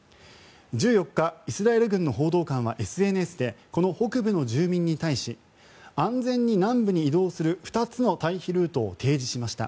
１４日、イスラエル軍の報道官はＳＮＳでこの北部の住民に対し安全に南部に移動する２つの退避ルートを提示しました。